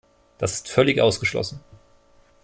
Das ist völlig ausgeschlossen.